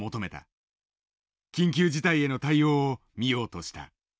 緊急事態への対応を見ようとした。